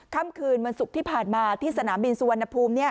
ค่ำคืนวันศุกร์ที่ผ่านมาที่สนามบินสุวรรณภูมิ